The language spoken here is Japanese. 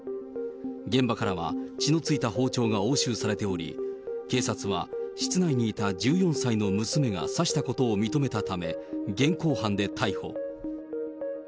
現場からは血の付いた包丁が押収されており、警察は室内にいた１４歳の娘が刺したことを認めたため、現行犯で逮捕。